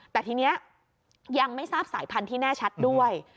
แต่ทีนี้ยังไม่ทราบสายพันธุ์ที่แน่ชัดด้วย